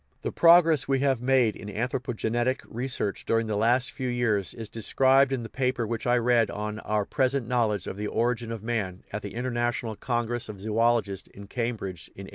The progress we have made in anthropogenetic research during the last few years is described in the paper which I read on " Our Present Knowledge of the Origin of Man " at the International Congress of Zoologists at Cambridge in 1898.